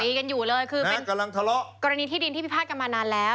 กันอยู่เลยคือเป็นกำลังทะเลาะกรณีที่ดินที่พิพาทกันมานานแล้ว